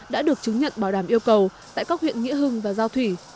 đã được chứng nhận bảo đảm yêu cầu tại các huyện nghĩa hưng và giao thủy